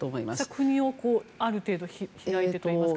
国をある程度開いてといいますか。